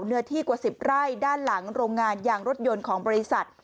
เนื้อที่กว่า๑๐ไร่ด้านหลังโรงงานยางรถยนต์ของบริษัท